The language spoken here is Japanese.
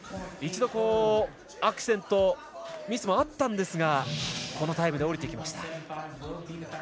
一度、アクシデントミスもあったんですがこのタイムで降りてきました。